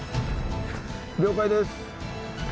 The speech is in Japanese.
了解です！